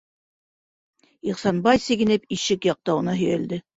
- Ихсанбай, сигенеп, ишек яҡтауына һөйәлде.